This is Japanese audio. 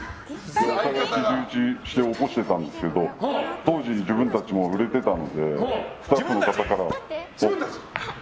ひじ打ちして起こしてたんですけど当時、自分たちも売れてたのでスタッフの方から。